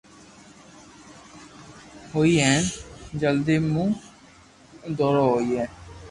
ھوئي ھين جلدو مون ئورو ھوئي